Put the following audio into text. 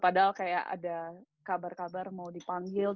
padahal kayak ada kabar kabar mau dipanggil